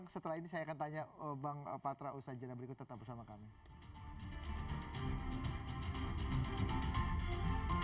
setelah ini saya akan tanya bang patra usaha jadwal berikut tetap bersama kami